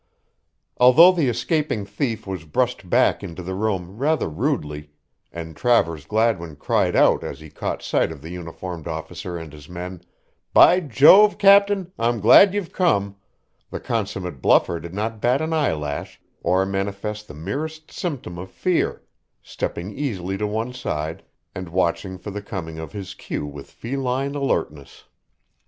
Although the escaping thief was brushed back into the room rather rudely and Travers Gladwin cried out as he caught sight of the uniformed officer and his men, "By Jove, captain, I'm glad you've come," the consummate bluffer did not bat an eyelash or manifest the merest symptom of fear, stepping easily to one side and watching for the coming of his cue with feline alertness.